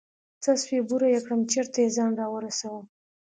څه سوې بوره يې كړم چېرته يې ځان راورسوه.